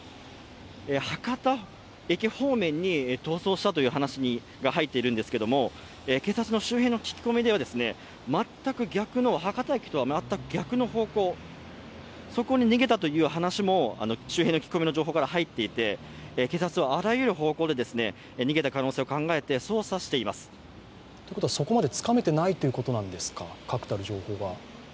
博多駅方面に逃走したという話が入っているんですけども警察の周辺の聞き込みでは、博多駅とは全く逆の方向、そこに逃げたという話も周辺の聞き込みの情報から入っていて警察はあらゆる方向で逃げた可能性を考えてということはそこまで確たる情報がつかめていないということですか？